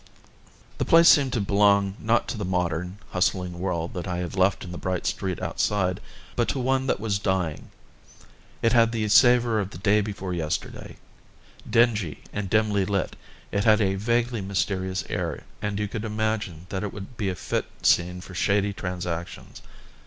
The place seemed to belong not to the modern, hustling world that I had left in the bright street outside, but to one that was dying. It had the savour of the day before yesterday. Dingy and dimly lit, it had a vaguely mysterious air and you could imagine that it would be a fit scene for shady transactions.